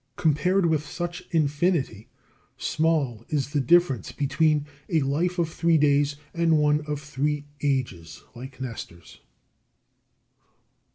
Compared with such infinity, small is the difference between a life of three days and one of three ages like Nestor's.